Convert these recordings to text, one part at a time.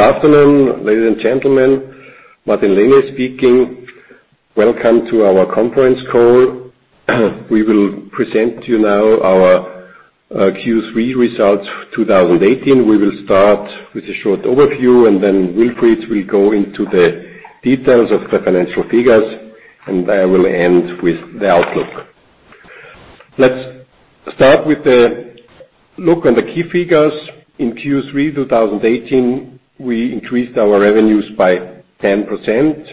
Good afternoon, ladies and gentlemen. Martin Lehner speaking. Welcome to our conference call. We will present you now our Q3 results 2018. We will start with a short overview. Then Wilfried will go into the details of the financial figures, and I will end with the outlook. Let's start with the look on the key figures. In Q3 2018, we increased our revenues by 10%.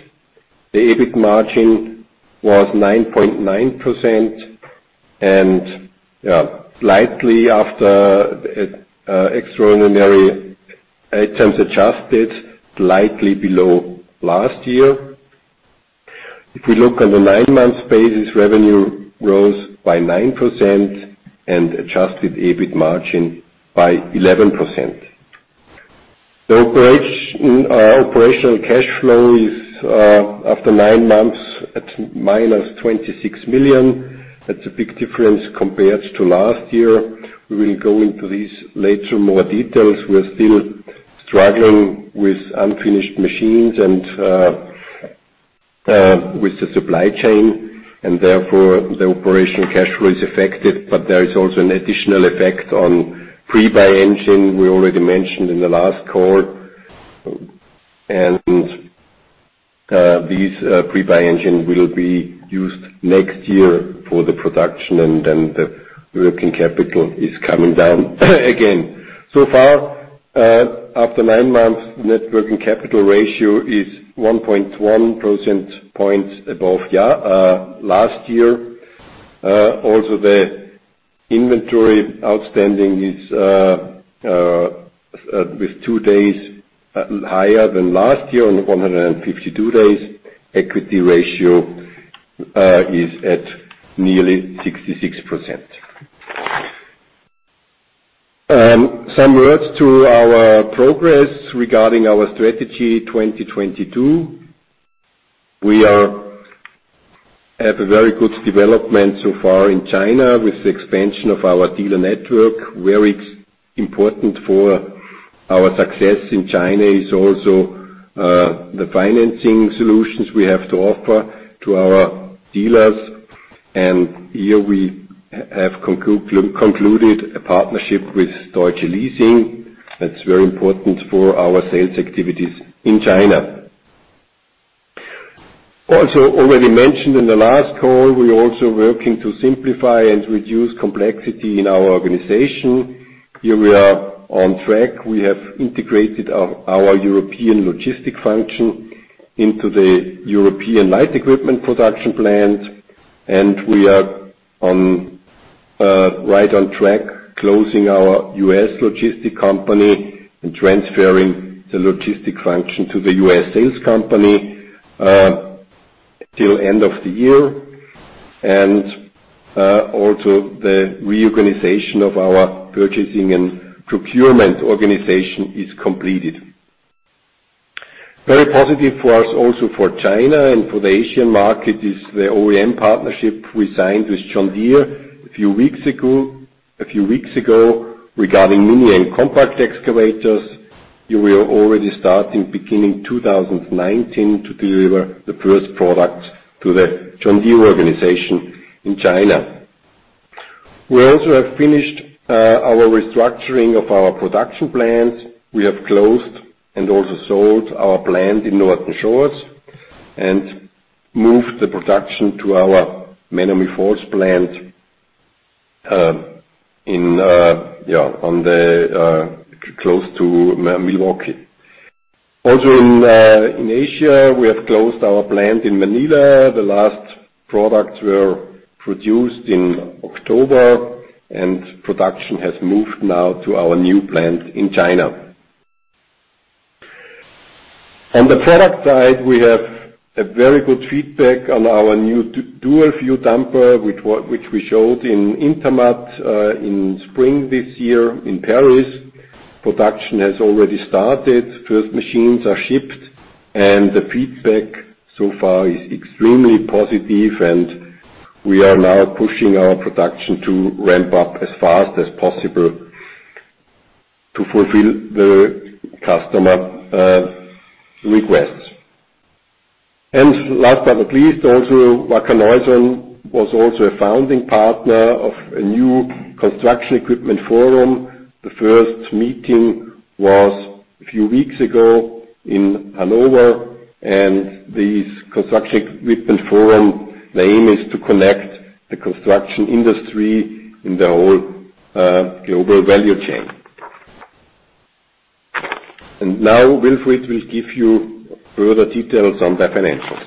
The EBIT margin was 9.9% and after extraordinary items adjusted, slightly below last year. If we look on the nine months basis, revenue grows by 9% and adjusted EBIT margin by 11%. The operational cash flow is after nine months at minus 26 million. That's a big difference compared to last year. We will go into these later more details. We are still struggling with unfinished machines and with the supply chain. Therefore, the operational cash flow is affected. There is also an additional effect on pre-buy engine we already mentioned in the last call. These pre-buy engine will be used next year for the production. Then the working capital is coming down again. So far, after nine months, net working capital ratio is 1.1% points above last year. The inventory outstanding is with two days higher than last year on 152 days. Equity ratio is at nearly 66%. Some words to our progress regarding our Strategy 2022. We have a very good development so far in China with the expansion of our dealer network. Very important for our success in China is also the financing solutions we have to offer to our dealers. Here we have concluded a partnership with Deutsche Leasing. That's very important for our sales activities in China. Already mentioned in the last call, we are also working to simplify and reduce complexity in our organization. Here we are on track. We have integrated our European logistic function into the European light equipment production plant, and we are right on track closing our U.S. logistic company and transferring the logistic function to the U.S. sales company, till end of the year. Also, the reorganization of our purchasing and procurement organization is completed. Very positive for us also for China and for the Asian market is the OEM partnership we signed with John Deere a few weeks ago regarding mini and compact excavators. We are already starting beginning 2019 to deliver the first product to the John Deere organization in China. We also have finished our restructuring of our production plant. We have closed and also sold our plant in Norton Shores and moved the production to our Menomonee Falls plant close to Milwaukee. In Asia, we have closed our plant in Manila. The last products were produced in October, and production has moved now to our new plant in China. On the product side, we have a very good feedback on our new Dual View Dumper, which we showed in INTERMAT in spring this year in Paris. Production has already started. First machines are shipped, and the feedback so far is extremely positive, and we are now pushing our production to ramp up as fast as possible to fulfill the customer requests. Last but not least, Wacker Neuson was also a founding partner of a new Construction Equipment Forum. The first meeting was a few weeks ago in Hanover, and this Construction Equipment Forum name is to connect the construction industry in the whole global value chain. Now Wilfried will give you further details on the financials.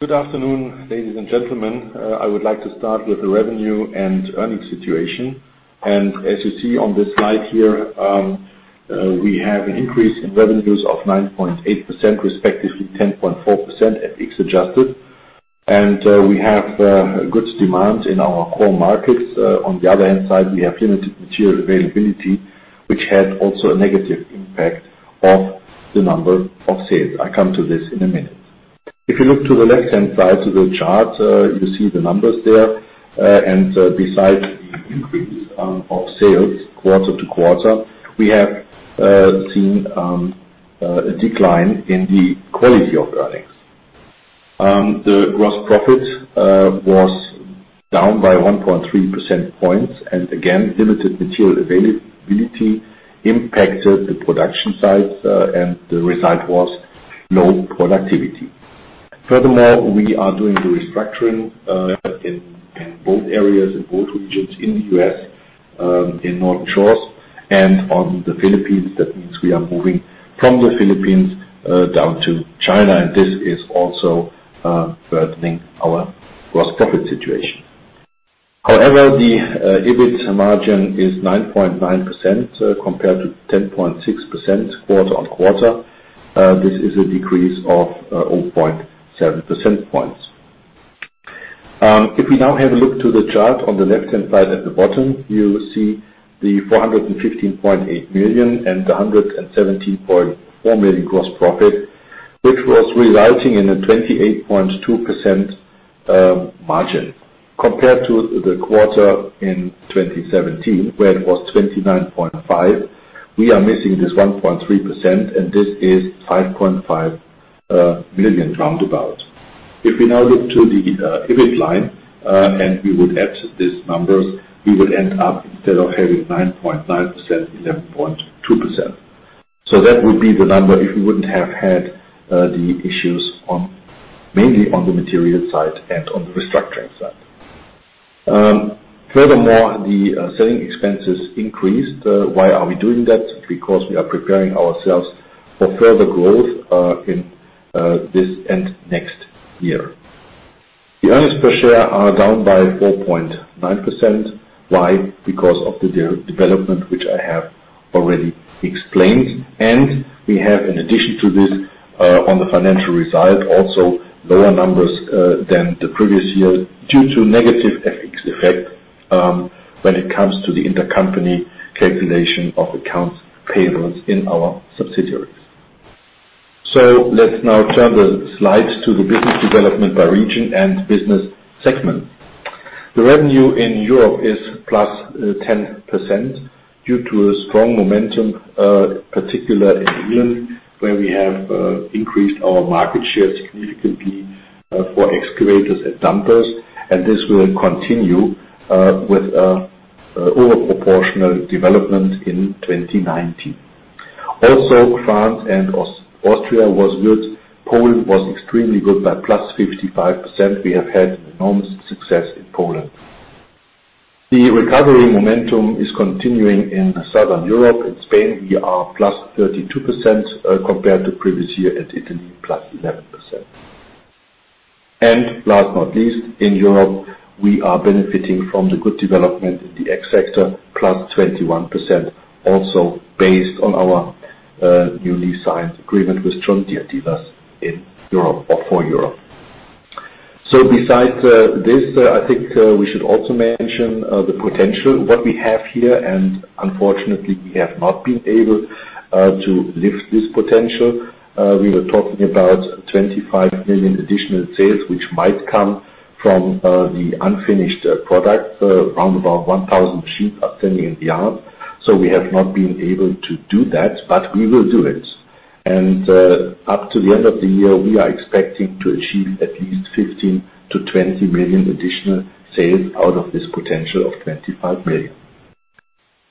Good afternoon, ladies and gentlemen. I would like to start with the revenue and earnings situation. As you see on this slide here, we have an increase in revenues of 9.8%, respectively 10.4% at FX adjusted. We have good demand in our core markets. On the other hand, we have limited material availability, which had also a negative impact of the number of sales. I come to this in a minute. If you look to the left-hand side to the chart, you see the numbers there. Besides the increase of sales quarter-to-quarter, we have seen a decline in the quality of earnings. The gross profit was down by 1.3 percentage points, again, limited material availability impacted the production sites, and the result was low productivity. Furthermore, we are doing the restructuring in both areas, in both regions, in the U.S., in Norton Shores, and on the Philippines. That means we are moving from the Philippines down to China, and this is also burdening our gross profit situation. However, the EBIT margin is 9.9% compared to 10.6% quarter-on-quarter. This is a decrease of 0.7 percentage points. If we now have a look to the chart on the left-hand side at the bottom, you see the 415.8 million and the 117.4 million gross profit, which was resulting in a 28.2% margin. Compared to the quarter in 2017, where it was 29.5%, we are missing this 1.3%, and this is 5.5 million, round about. If we now look to the EBIT line, we would add these numbers, we would end up instead of having 9.9%, 11.2%. That would be the number if we wouldn't have had the issues mainly on the material side and on the restructuring side. Furthermore, the selling expenses increased. Why are we doing that? Because we are preparing ourselves for further growth in this and next year. The earnings per share are down by 4.9%. Why? Because of the development which I have already explained. We have, in addition to this, on the financial result, also lower numbers than the previous year due to negative FX effect when it comes to the intercompany calculation of accounts payables in our subsidiaries. Let's now turn the slide to the business development by region and business segment. The revenue in Europe is +10% due to a strong momentum, particularly in England, where we have increased our market shares significantly for excavators and dumpers. This will continue with over-proportional development in 2019. France and Austria was good. Poland was extremely good by +55%. We have had enormous success in Poland. The recovery momentum is continuing in Southern Europe. In Spain, we are +32% compared to previous year, and Italy +11%. Last not least, in Europe, we are benefiting from the good development in the export factor, +21%, also based on our newly signed agreement with John Deere in Europe or for Europe. Besides this, I think we should also mention the potential, what we have here, and unfortunately, we have not been able to lift this potential. We were talking about 25 million additional sales, which might come from the unfinished product. Around about 1,000 machines are standing in the yard. We have not been able to do that, but we will do it. Up to the end of the year, we are expecting to achieve at least 15 million to 20 million additional sales out of this potential of 25 million.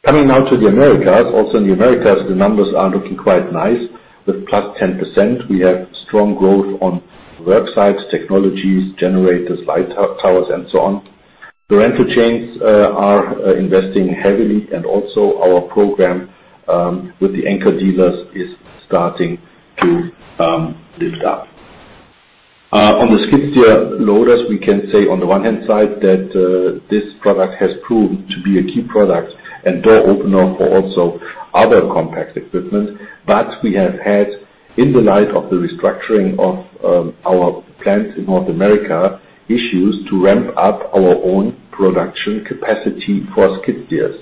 Coming now to the Americas. In the Americas, the numbers are looking quite nice with +10%. We have strong growth on work sites, technologies, generators, light towers, and so on. The rental chains are investing heavily, and our program with the anchor dealers is starting to lift up. On the skid steer loaders, we can say on the one hand side that this product has proved to be a key product and door opener for also other compact equipment. We have had, in the light of the restructuring of our plants in North America, issues to ramp up our own production capacity for skid steers.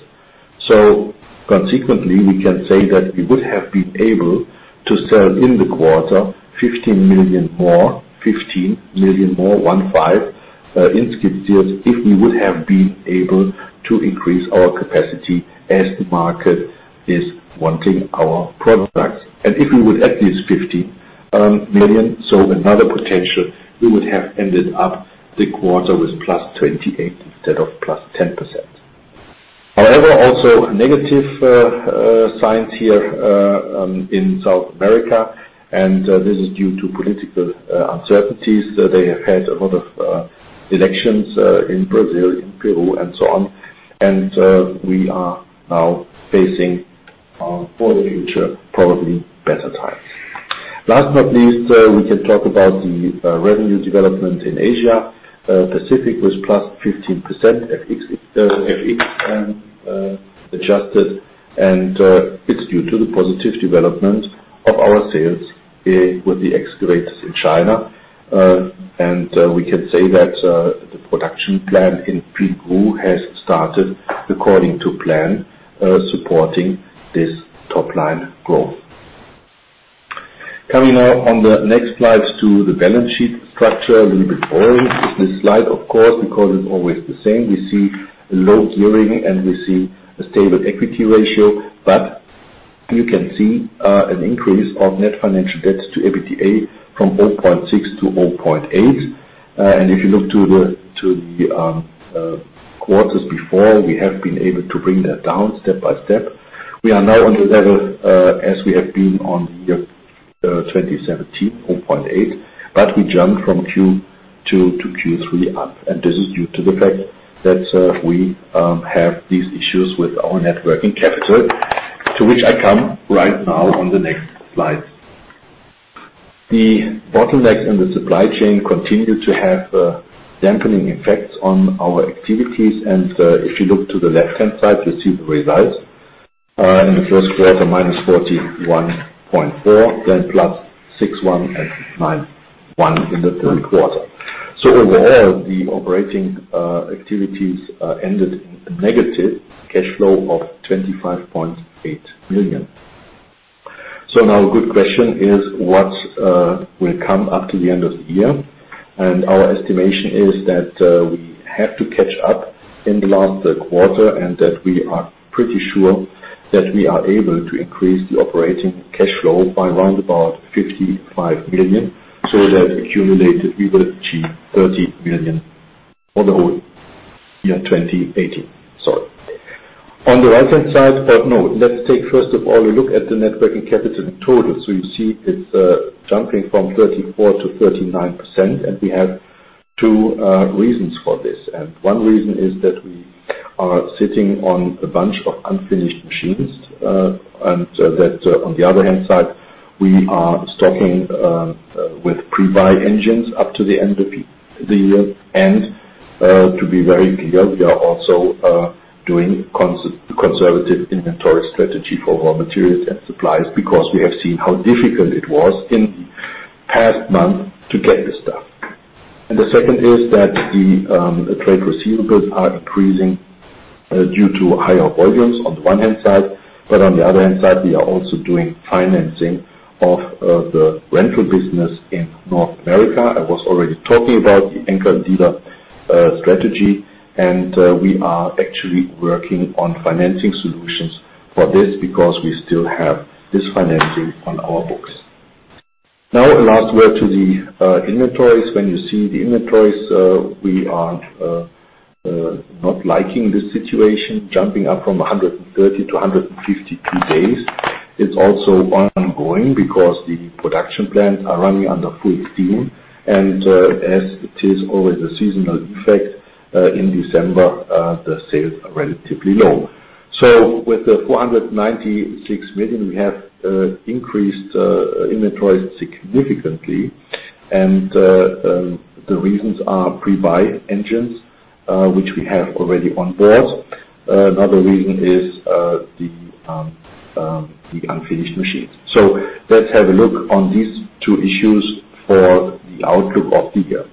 Consequently, we can say that we would have been able to sell in the quarter EUR 15 million more, one-five, in skid steers, if we would have been able to increase our capacity as the market is wanting our products. If we would add these 50 million, so another potential, we would have ended up the quarter with +28% instead of +10%. Negative signs here in South America, and this is due to political uncertainties. They have had a lot of elections in Brazil, in Peru, and so on, and we are now facing, for the future, probably better times. Last not least, we can talk about the revenue development in Asia. Pacific was +15%, FX adjusted, and it's due to the positive development of our sales with the excavators in China. We can say that the production plan in Pinghu has started according to plan, supporting this top-line growth. Coming now on the next slide to the balance sheet structure. A little bit boring, this slide, of course, because it's always the same. We see a low gearing, and we see a stable equity ratio. You can see an increase of net financial debt to EBITDA from 0.6 to 0.8. If you look to the quarters before, we have been able to bring that down step by step. We are now on the level as we have been on the year 2017, 0.8, but we jumped from Q2 to Q3 up. This is due to the fact that we have these issues with our net working capital, to which I come right now on the next slide. The bottleneck in the supply chain continued to have dampening effects on our activities. If you look to the left-hand side, you see the results. In the first quarter, -41.4 million, then plus 6.1 million and 9.1 million in the third quarter. Overall, the operating activities ended in a negative cash flow of 25.8 million. Now a good question is what will come up to the end of the year. Our estimation is that we have to catch up in the last quarter, and that we are pretty sure that we are able to increase the operating cash flow by around about 55 million, so that accumulated, we will achieve 30 million for the whole year 2018. Sorry. On the right-hand side. No, let's take, first of all, a look at the net working capital in total. You see it's jumping from 34%-39%. We have two reasons for this. One reason is that we are sitting on a bunch of unfinished machines, and that on the other hand side, we are stopping with pre-buy engines up to the end of the year. To be very clear, we are also doing conservative inventory strategy for raw materials and supplies because we have seen how difficult it was in past months to get the stuff. The second is that the trade receivables are increasing due to higher volumes on the one hand side, but on the other hand side, we are also doing financing of the rental business in North America. I was already talking about the anchor dealer strategy, and we are actually working on financing solutions for this because we still have this financing on our books. Last word to the inventories. When you see the inventories, we are not liking this situation, jumping up from 130-153 days. It's also ongoing because the production plants are running under full steam. As it is always a seasonal effect, in December, the sales are relatively low. With the 496 million, we have increased inventories significantly. The reasons are pre-buy engines, which we have already on board. Another reason is the unfinished machines. Let's have a look on these two issues for the outlook of the year.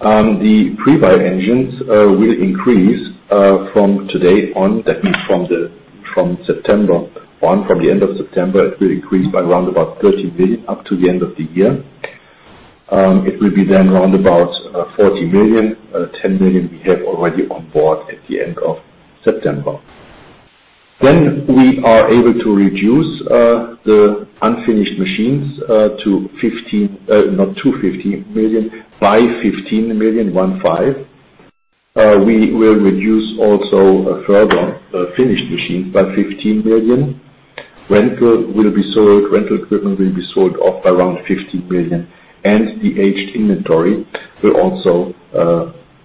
The pre-buy engines will increase from today on. That means from September on, from the end of September, it will increase by around about 30 million up to the end of the year. It will be then around about 40 million. 10 million we have already on board at the end of September. We are able to reduce the unfinished machines by 15 million, one five. We will reduce also a further finished machine by 15 million. Rental equipment will be sold off by around 15 million. The aged inventory will also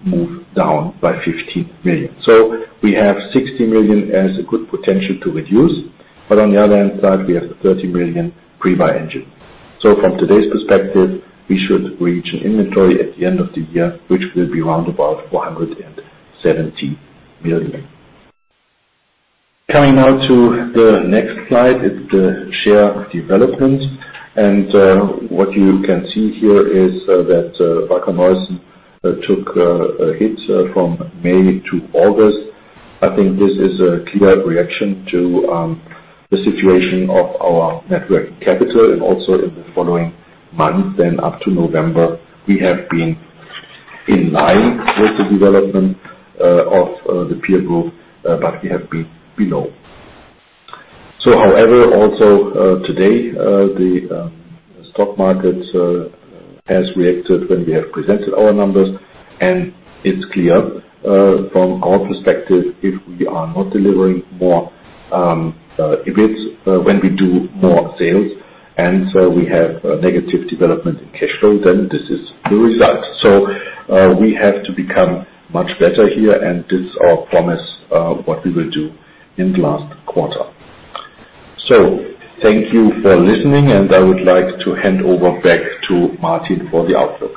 move down by 15 million. We have 60 million as a good potential to reduce. On the other hand side, we have the 30 million pre-buy engine. From today's perspective, we should reach an inventory at the end of the year, which will be around about 470 million. Coming now to the next slide is the share development. What you can see here is that Wacker Neuson took a hit from May to August. I think this is a clear reaction to the situation of our net working capital and also in the following months, up to November, we have been in line with the development of the peer group, but we have been below. However, also today, the stock market has reacted when we have presented our numbers, and it is clear from our perspective, if we are not delivering more EBIT when we do more sales and we have a negative development in cash flow, then this is the result. We have to become much better here, and this is our promise what we will do in the last quarter. Thank you for listening, and I would like to hand over back to Martin for the outlook.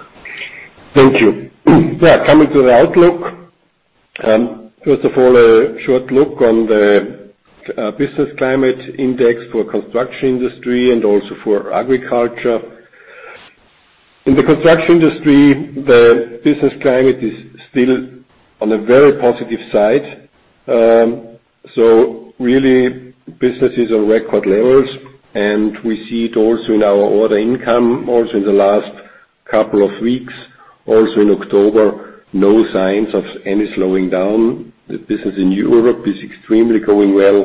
Thank you. Coming to the outlook. First of all, a short look on the business climate index for construction industry and also for agriculture. In the construction industry, the business climate is still on a very positive side. Really, business is on record levels, and we see it also in our order income, also in the last couple of weeks, also in October, no signs of any slowing down. The business in Europe is extremely going well,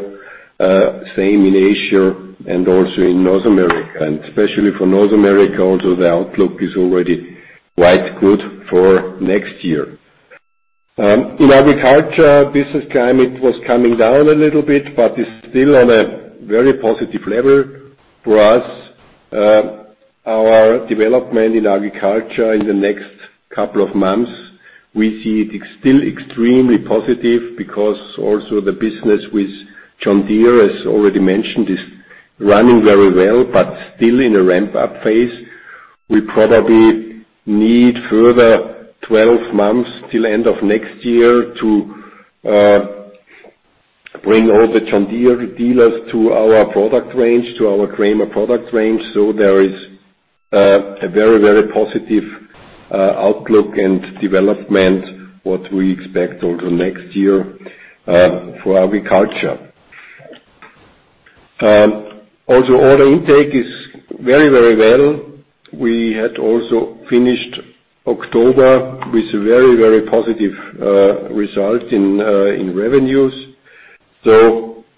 same in Asia and also in North America. Especially for North America also, the outlook is already quite good for next year. In agriculture, business climate was coming down a little bit, but is still on a very positive level for us. Our development in agriculture in the next couple of months, we see it still extremely positive because also the business with John Deere, as already mentioned, is running very well, but still in a ramp-up phase. We probably need further 12 months till end of next year to bring all the John Deere dealers to our product range, to our Kramer product range. There is a very positive outlook and development, what we expect over next year for agriculture. Also, order intake is very well. We had also finished October with very positive results in revenues.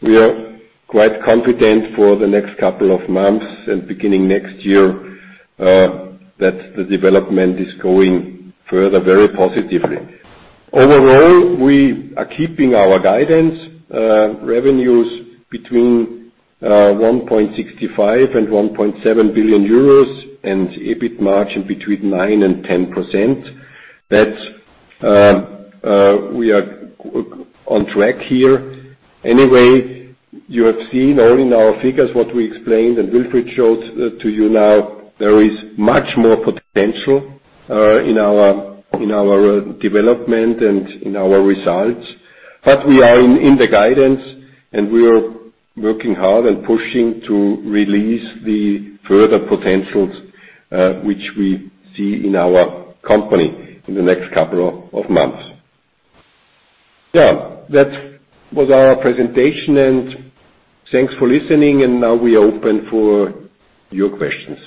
We are quite confident for the next couple of months and beginning next year, that the development is going further very positively. Overall, we are keeping our guidance, revenues between 1.65 billion-1.7 billion euros and EBIT margin between 9%-10%. That we are on track here. Anyway, you have seen all in our figures what we explained and Wilfried showed to you now. There is much more potential in our development and in our results. We are in the guidance and we are working hard and pushing to release the further potentials, which we see in our company in the next couple of months. That was our presentation, thanks for listening, and now we are open for your questions.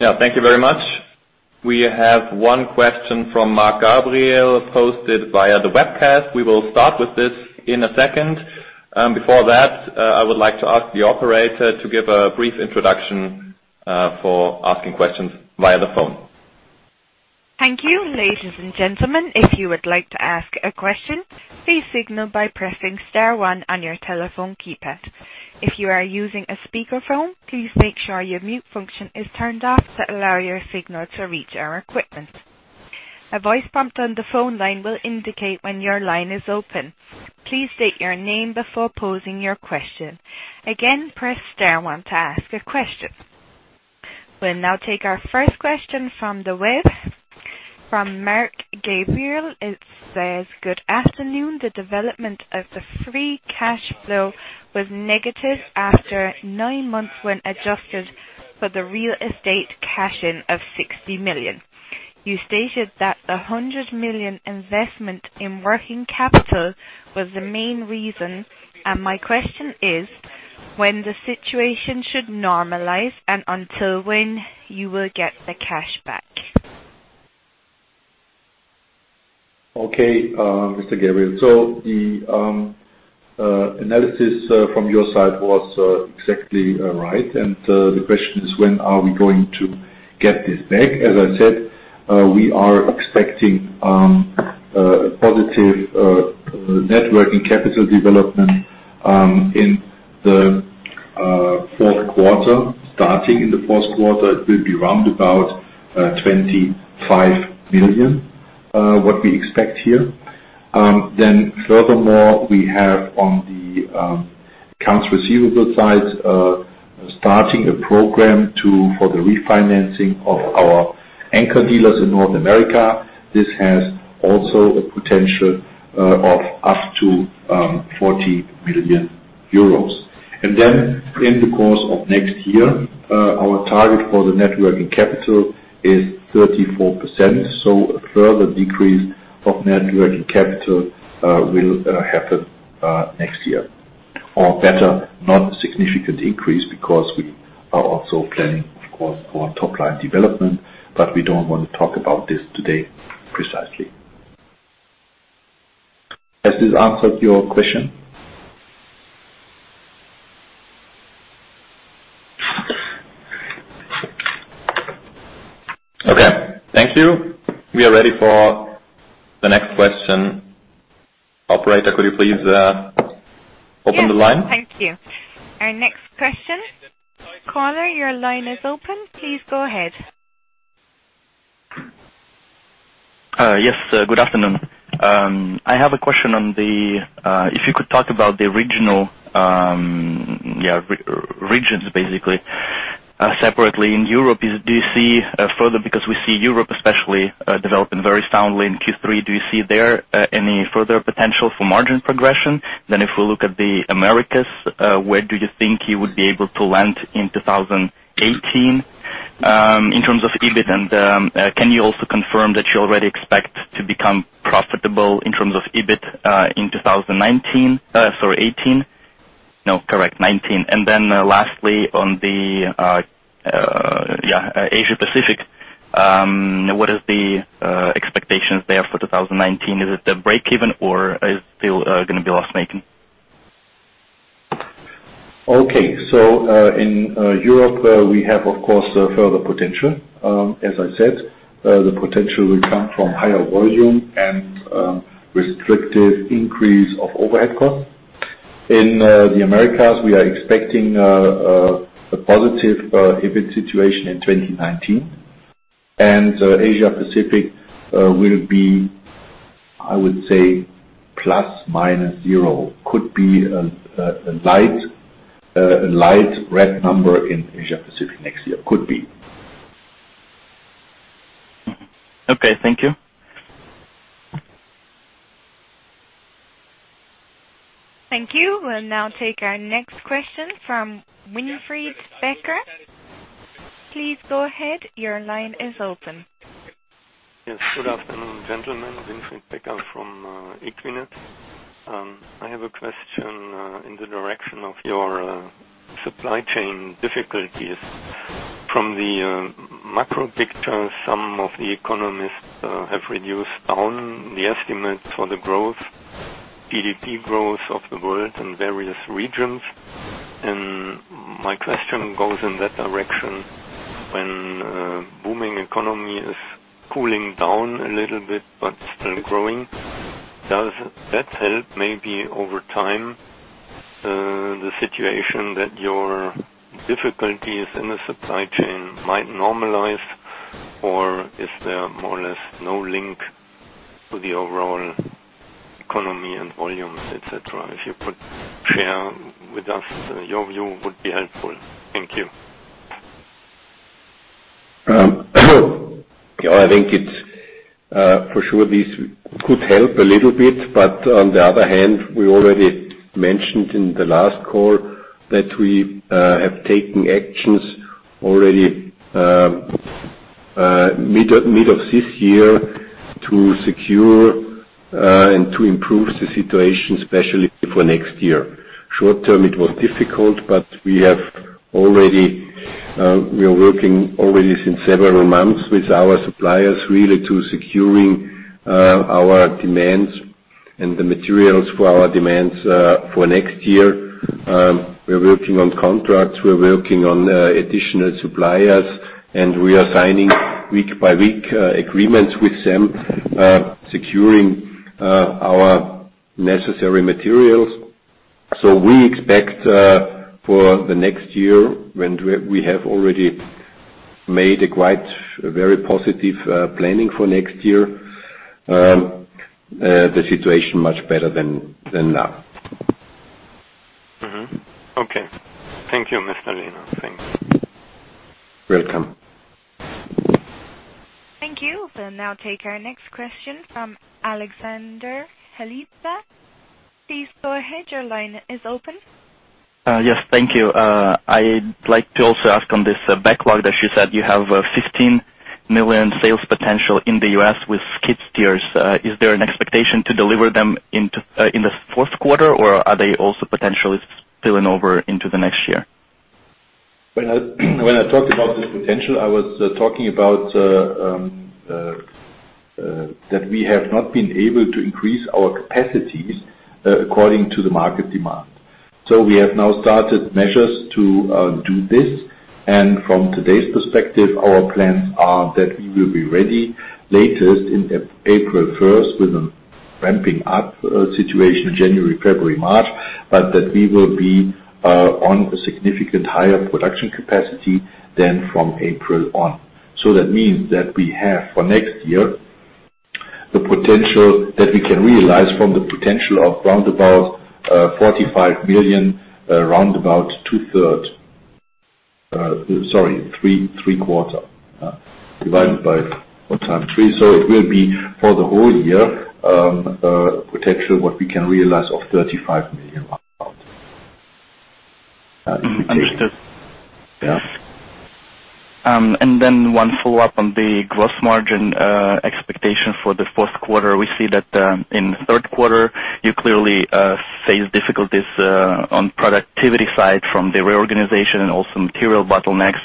Yeah. Thank you very much. We have one question from Mark Gabriel posted via the webcast. We will start with this in a second. Before that, I would like to ask the operator to give a brief introduction for asking questions via the phone. Thank you. Ladies and gentlemen, if you would like to ask a question, please signal by pressing star one on your telephone keypad. If you are using a speakerphone, please make sure your mute function is turned off to allow your signal to reach our equipment. A voice prompt on the phone line will indicate when your line is open. Please state your name before posing your question. Again, press star one to ask a question. We'll now take our first question from the web, from Mark Gabriel. It says, "Good afternoon. The development of the free cash flow was negative after nine months when adjusted for the real estate cash-in of 60 million. You stated that the 100 million investment in working capital was the main reason, my question is, when the situation should normalize and until when you will get the cash back? Okay. Mr. Gabriel. The analysis from your side was exactly right, the question is, when are we going to get this back? As I said, we are expecting a positive net working capital development in the fourth quarter. Starting in the fourth quarter, it will be round about 25 million, what we expect here. Furthermore, we have on the accounts receivable side, starting a program for the refinancing of our anchor dealers in North America. This has also a potential of up to 40 million euros. In the course of next year, our target for the net working capital is 34%. A further decrease of net working capital will happen next year, or better, not a significant increase because we are also planning, of course, for top-line development, we don't want to talk about this today precisely. Has this answered your question? Okay. Thank you. We are ready for the next question. Operator, could you please open the line? Yes. Thank you. Our next question, Connor, your line is open. Please go ahead. Yes, good afternoon. I have a question. If you could talk about the regional regions basically separately in Europe, because we see Europe especially developing very soundly in Q3, do you see there any further potential for margin progression? If we look at the Americas, where do you think you would be able to land in 2018 in terms of EBIT? Can you also confirm that you already expect to become profitable in terms of EBIT in 2019-- sorry, 2018? No, correct, 2019. Lastly, on the Asia Pacific, what is the expectations there for 2019? Is it the breakeven or is it still going to be loss-making? Okay. In Europe, we have, of course, further potential. As I said, the potential will come from higher volume and restrictive increase of overhead cost. In the Americas, we are expecting a positive EBIT situation in 2019. Asia Pacific will be, I would say, plus minus zero. Could be a light red number in Asia Pacific next year. Could be. Okay. Thank you. Thank you. We'll now take our next question from Winfried Becker. Please go ahead. Your line is open. Yes. Good afternoon, gentlemen. Winfried Becker from Equinet. I have a question in the direction of your supply chain difficulties. From the macro picture, some of the economists have reduced down the estimate for the GDP growth of the world in various regions. My question goes in that direction. When booming economy is cooling down a little bit, but still growing, does that help maybe over time, the situation that your difficulties in the supply chain might normalize, or is there more or less no link to the overall economy and volumes, et cetera? If you could share with us your view would be helpful. Thank you. For sure this could help a little bit, on the other hand, we already mentioned in the last call that we have taken actions already middle of this year to secure and to improve the situation, especially for next year. Short term, it was difficult, we are working already since several months with our suppliers really to securing our demands and the materials for our demands for next year. We are working on contracts, we are working on additional suppliers, we are signing week by week agreements with them, securing our necessary materials. We expect for the next year when we have already made a very positive planning for next year, the situation much better than now. Okay. Thank you, Mr. Lehner. Thanks. Welcome. Thank you. We will now take our next question from Alexander Haliza. Please go ahead. Your line is open. Yes. Thank you. I would like to also ask on this backlog that you said you have a 15 million sales potential in the U.S. with skid steers. Is there an expectation to deliver them in the fourth quarter, or are they also potentially spilling over into the next year? When I talked about this potential, I was talking about that we have not been able to increase our capacities according to the market demand. We have now started measures to do this, and from today's perspective, our plans are that we will be ready latest in April 1st with a ramping up situation, January, February, March, but that we will be on a significant higher production capacity than from April on. That means that we have for next year the potential that we can realize from the potential of round about 45 million, round about two third. Sorry, three quarter. Divided by times three. It will be for the whole year, potential what we can realize of 35 million round about. Understood. Yeah. One follow-up on the gross margin expectation for the fourth quarter. We see that in the third quarter you clearly faced difficulties on productivity side from the reorganization and also material bottlenecks.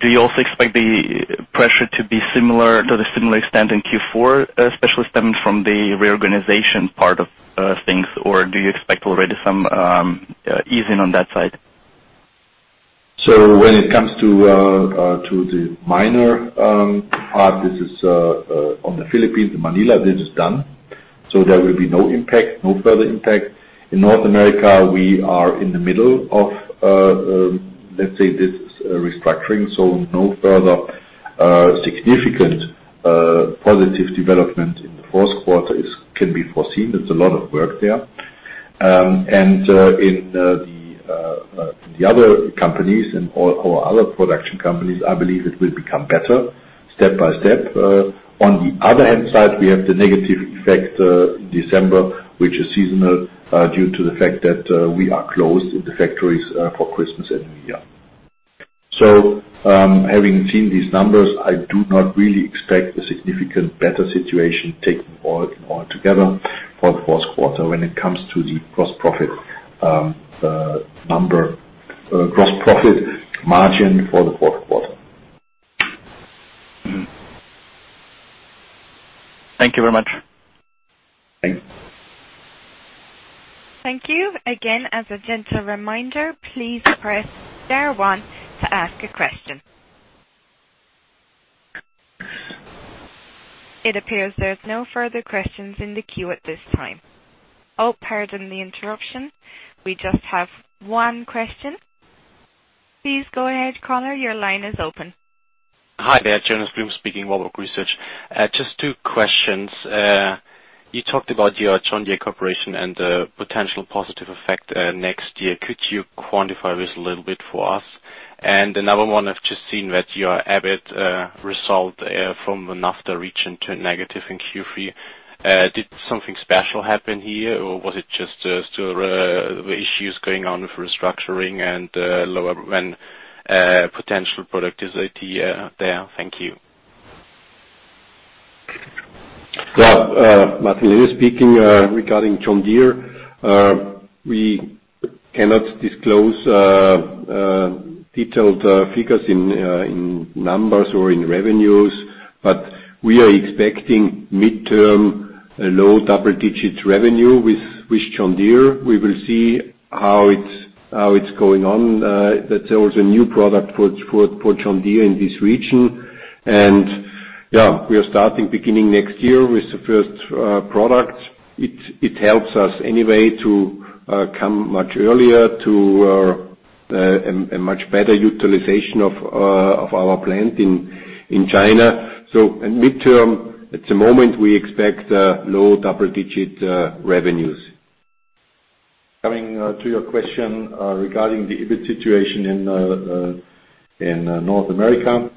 Do you also expect the pressure to be similar to the similar extent in Q4, especially stemming from the reorganization part of things, or do you expect already some easing on that side? When it comes to the minor part, this is on the Philippines, the Manila, this is done. There will be no further impact. In North America, we are in the middle of, let's say, this restructuring, no further significant positive development in the fourth quarter can be foreseen. It's a lot of work there. In the other companies and all our other production companies, I believe it will become better step by step. On the other hand side, we have the negative effect, December, which is seasonal, due to the fact that we are closed in the factories for Christmas and New Year. Having seen these numbers, I do not really expect a significant better situation taken all together for the fourth quarter when it comes to the gross profit margin for the fourth quarter. Thank you very much. Thanks. Thank you. Again, as a gentle reminder, please press star one to ask a question. It appears there's no further questions in the queue at this time. Oh, pardon the interruption. We just have one question. Please go ahead, caller, your line is open. Hi there, Jonas Blum speaking, Warburg Research. Just two questions. You talked about your John Deere cooperation and the potential positive effect next year. Could you quantify this a little bit for us? Another one, I've just seen that your EBIT result from the NAFTA region turned negative in Q3. Did something special happen here, or was it just still issues going on with restructuring and lower potential productivity there? Thank you. Yeah. Martin Lehner speaking. Regarding John Deere, we cannot disclose detailed figures in numbers or in revenues, but we are expecting midterm low double-digit revenue with John Deere. We will see how it is going on. That there was a new product for John Deere in this region. We are starting beginning next year with the first product. It helps us anyway to come much earlier to a much better utilization of our plant in China. In midterm, at the moment, we expect low double-digit revenues. Coming to your question regarding the EBIT situation in North America.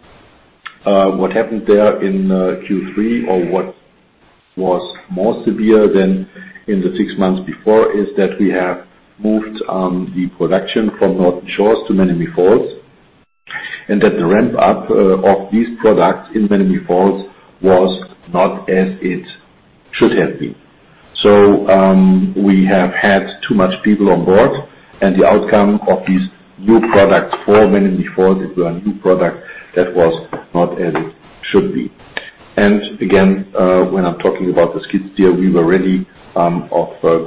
What happened there in Q3 or what was more severe than in the six months before, is that we have moved the production from Norton Shores to Menomonee Falls, and that the ramp-up of these products in Menomonee Falls was not as it should have been. We have had too much people on board, and the outcome of these new products for Menomonee Falls, they were a new product that was not as it should be. Again, when I am talking about the skid steer, we were ready of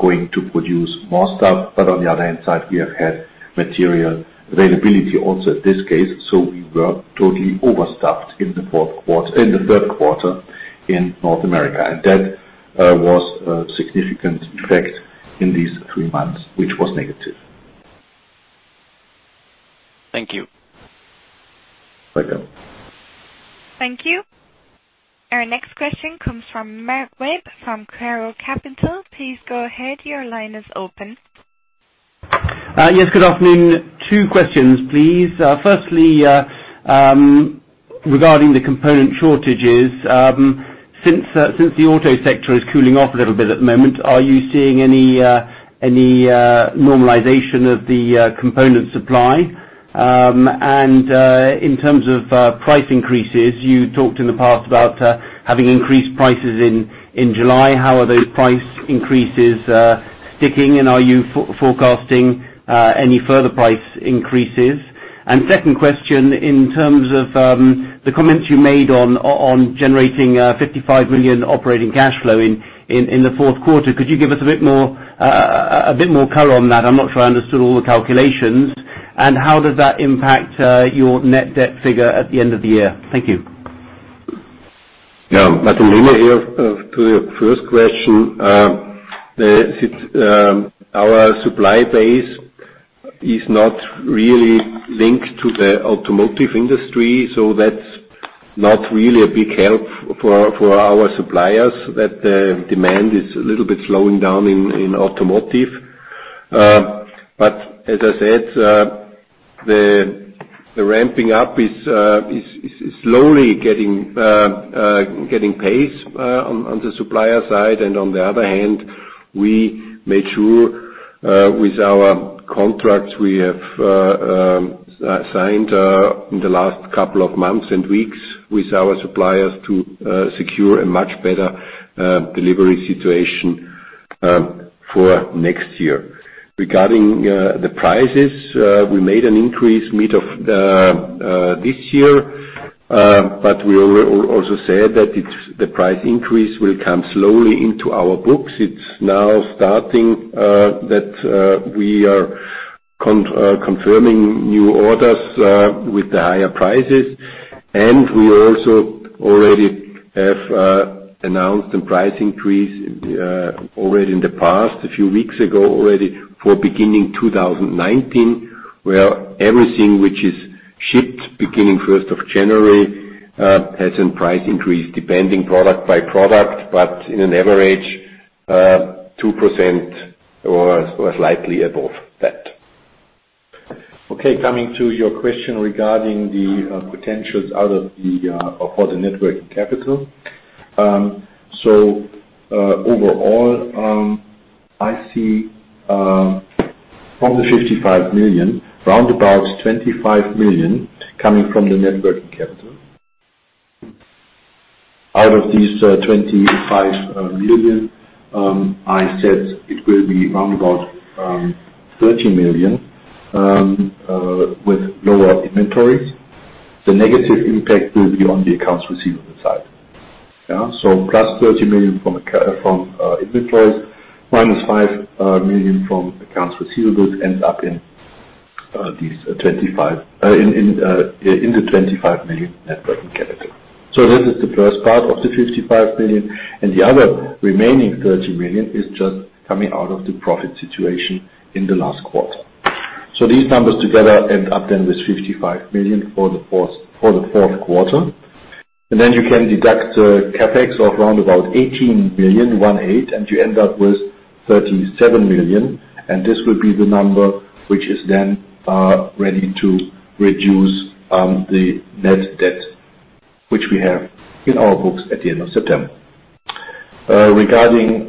going to produce more stuff. But on the other hand side, we have had material availability also at this case. We were totally overstaffed in the third quarter in North America. That was a significant effect in these three months, which was negative. Thank you. Welcome. Thank you. Our next question comes from Mark Webb from Caro Capital. Please go ahead. Your line is open. Yes, good afternoon. Two questions, please. Firstly, regarding the component shortages. Since the auto sector is cooling off a little bit at the moment, are you seeing any normalization of the component supply? In terms of price increases, you talked in the past about having increased prices in July. How are those price increases sticking, and are you forecasting any further price increases? Second question in terms of the comments you made on generating 55 million operating cash flow in the fourth quarter, could you give us a bit more color on that? I'm not sure I understood all the calculations. How does that impact your net debt figure at the end of the year? Thank you. Yeah. Martin Lehner here. To your first question. Our supply base is not really linked to the automotive industry, so that's not really a big help for our suppliers that the demand is a little bit slowing down in automotive. As I said, the ramping up is slowly getting pace on the supplier side. On the other hand, we made sure with our contracts we have signed in the last couple of months and weeks with our suppliers to secure a much better delivery situation for next year. Regarding the prices, we made an increase mid of this year. We also said that the price increase will come slowly into our books. It's now starting that we are confirming new orders with the higher prices. We also already have announced the price increase already in the past, a few weeks ago already for beginning 2019, where everything which is Shipped beginning 1st of January, has some price increase depending product by product, but in an average, 2% or slightly above that. Okay, coming to your question regarding the potentials for the net working capital. Overall, I see from the 55 million, round about 25 million coming from the net working capital. Out of these 25 million, I said it will be around about 30 million with lower inventories. The negative impact will be on the accounts receivable side. Plus 30 million from inventories, minus 5 million from accounts receivables, ends up in the 25 million net working capital. This is the first part of the 55 million, and the other remaining 30 million is just coming out of the profit situation in the last quarter. These numbers together end up then with 55 million for the fourth quarter. You can deduct the CapEx of around 18 million, one eight, and you end up with 37 million, and this will be the number which is then ready to reduce the net debt which we have in our books at the end of September. Regarding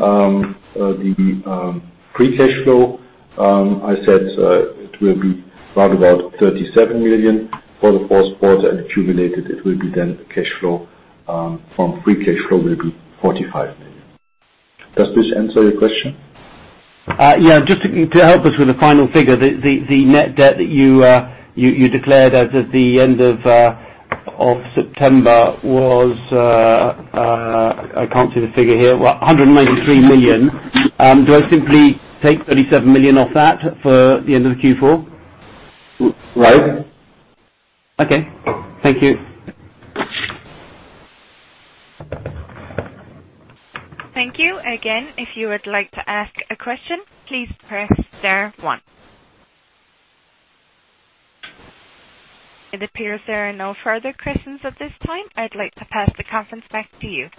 the free cash flow, I said it will be around 37 million for the fourth quarter, and accumulated, it will be then cash flow from free cash flow will be 45 million. Does this answer your question? Yeah. Just to help us with the final figure, the net debt that you declared as of the end of September was, I can't see the figure here, 193 million. Do I simply take 37 million off that for the end of the Q4? Right. Okay. Thank you. Thank you. Again, if you would like to ask a question, please press star one. It appears there are no further questions at this time. I'd like to pass the conference back to you.